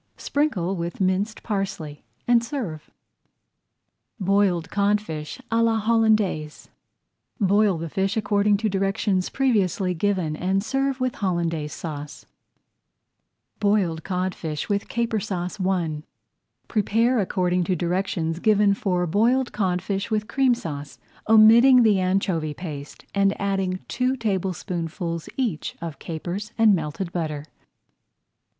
sprinkle with minced parsley, and serve. BOILED CODFISH À LA HOLLANDAISE Boil the fish according to directions previously given and serve with Hollandaise Sauce. [Page 97] BOILED CODFISH WITH CAPER SAUCE I Prepare according to directions given for Boiled Codfish with Cream Sauce, omitting the anchovy paste, and adding two tablespoonfuls each of capers and melted butter.